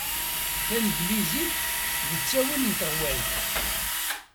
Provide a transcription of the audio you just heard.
Tanglizit d ttawil n teɣwalt.